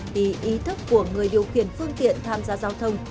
thì ý thức của người điều khiển phương tiện tham gia giao thông